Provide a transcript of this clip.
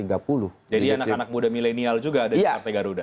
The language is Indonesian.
jadi anak anak muda milenial juga ada di partai garuda